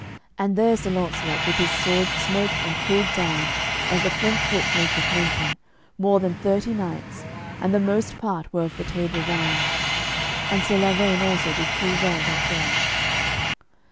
And there Sir Launcelot with his sword smote and pulled down, as the French book maketh mention, more than thirty knights, and the most part were of the Table Round. And Sir Lavaine also did full well that day.